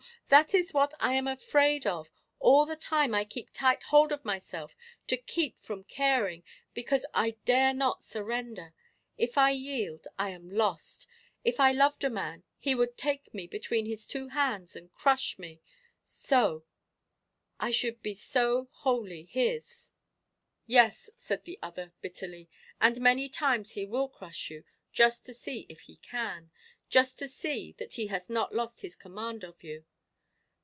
That is what I am afraid of! All the time I keep tight hold of myself to keep from caring, because I dare not surrender. If I yield, I am lost. If I loved a man, he could take me between his two hands and crush me so; I should be so wholly his!" "Yes," said the other, bitterly, "and many times he will crush you, just to see if he can just to see that he has not lost his command of you.